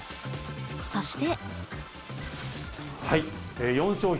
そして。